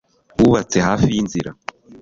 wubatse hafi y'inzira